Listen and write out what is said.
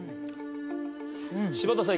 柴田さん